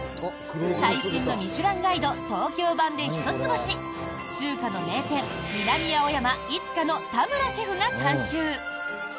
最新のミシュランガイド東京版で１つ星中華の名店、南青山・慈華の田村シェフが監修。